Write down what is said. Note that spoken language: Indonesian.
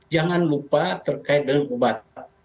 jangan lupa terkait dengan obat